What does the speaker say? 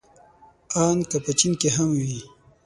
ان که په چين کې هم وي.